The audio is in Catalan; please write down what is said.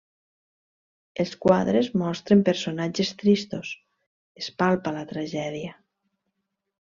Els quadres mostren personatges tristos, es palpa la tragèdia.